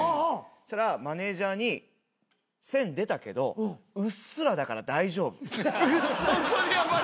そしたらマネジャーに「線出たけどうっすらだから大丈夫」